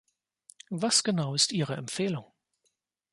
Was genau ist Ihre Empfehlung?